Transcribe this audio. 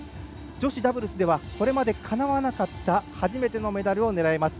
女子ダブルスではこれまでかなわなかった初めてのメダルを狙います。